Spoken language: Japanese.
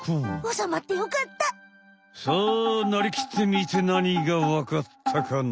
さあなりきってみてなにがわかったかな？